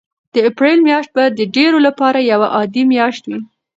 د اپریل میاشت به د ډېرو لپاره یوه عادي میاشت وي.